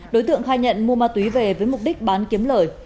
đối tượng khai nhận mua ma túy về với mục đích bán kiếm lời